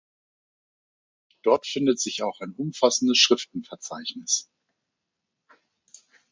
Dort findet sich auch ein umfassendes Schriftenverzeichnis.